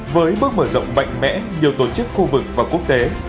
với bước mở rộng mạnh mẽ nhiều tổ chức khu vực và quốc tế